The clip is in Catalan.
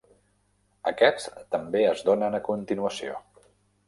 Aquests també es donen a continuació.